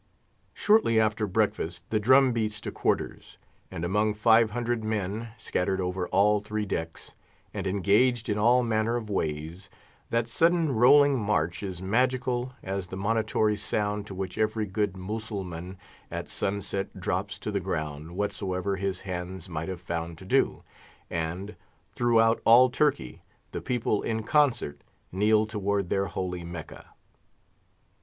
Shortly after breakfast the drum beats to quarters; and among five hundred men, scattered over all three decks, and engaged in all manner of ways, that sudden rolling march is magical as the monitory sound to which every good Mussulman at sunset drops to the ground whatsoever his hands might have found to do, and, throughout all Turkey, the people in concert kneel toward their holy Mecca.